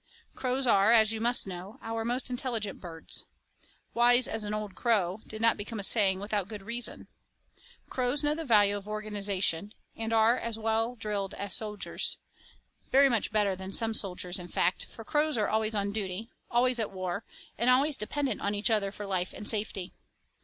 Crows are, as you must know, our most intelligent birds. 'Wise as an old crow' did not become a saying without good reason. Crows know the value of organization, and are as well drilled as soldiers very much better than some soldiers, in fact, for crows are always on duty, always at war, and always dependent on each other for life and safety.